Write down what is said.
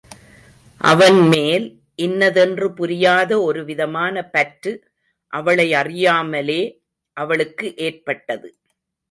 அவன் மேல் இன்னதென்று புரியாத ஒரு விதமான பற்று அவளையறியாமலே அவளுக்கு ஏற்பட்டது.